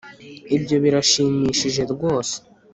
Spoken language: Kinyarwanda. ibyo birashimishije rwose.